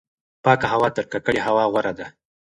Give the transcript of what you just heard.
پاکه هوا تر ککړې هوا غوره ده.